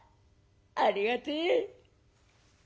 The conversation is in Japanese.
ありがてえ。